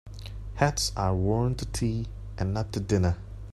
Hats are worn to tea and not to dinner.